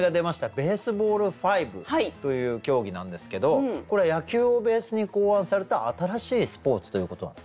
Ｂａｓｅｂａｌｌ５という競技なんですけどこれ野球をベースに考案された新しいスポーツということなんですか？